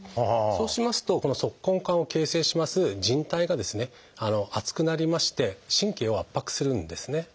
そうしますとこの足根管を形成しますじん帯がですね厚くなりまして神経を圧迫するんですね。